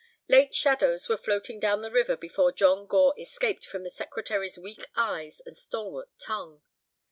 Late shadows were floating down the river before John Gore escaped from the secretary's weak eyes and stalwart tongue.